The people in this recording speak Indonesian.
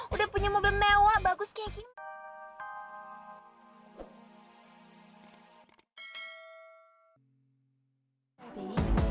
udah punya mobil mewah bagus kayak gini